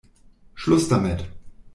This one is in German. Schluss damit!